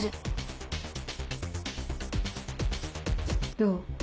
どう？